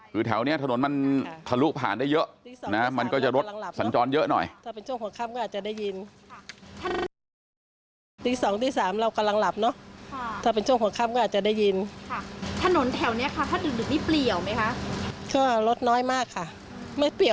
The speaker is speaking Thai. คือแถวนี้ถนนมันทะลุผ่านได้เยอะนะมันก็จะรถสัญจรเยอะหน่อย